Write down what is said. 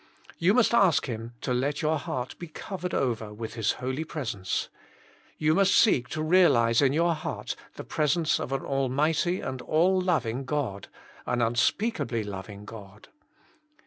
You must ask Him to let your heart be covered over with his holy presence. You must seek to realize in your heart the pres ence of an Almighty and all loving God, an unspeakably loving God.